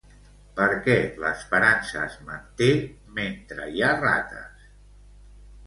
Perquè l'esperança es manté mentre hi ha rates.